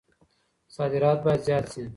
صادرات بايد زيات سي.